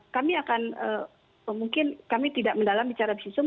kami akan mungkin kami tidak mendalam secara visum